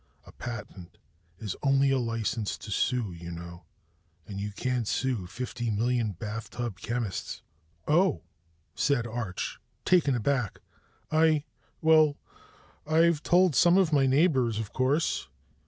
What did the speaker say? A patent is only a license to sue, you know, and you can't sue fifty million bathtub chemists." "Oh," said Arch, taken aback. "I well, I've told some of my neighbors, of course.